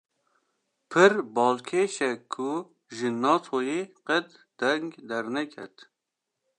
Pir balkêşe ku ji Natoyê qet deng derneket